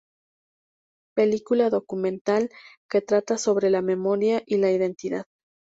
Película documental que trata sobre la memoria y la identidad.